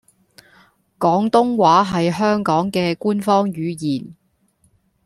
廣東話係香港嘅官方語言